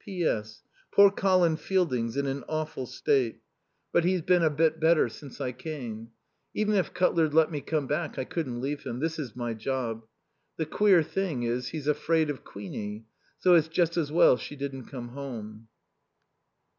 P. S. Poor Colin Fielding's in an awful state. But he's been a bit better since I came. Even if Cutler'd let me come back I couldn't leave him. This is my job. The queer thing is he's afraid of Queenie, so it's just as well she didn't come home.